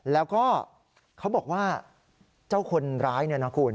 แล้วก็เขาบอกว่าเจ้าคนร้ายเนี่ยนะคุณ